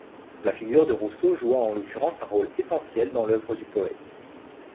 La figure de Rousseau joua en l'occurrence un rôle essentiel dans l'œuvre du poète.